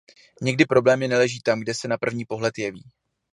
Někdy problémy neleží tam, kde se na první pohled jeví.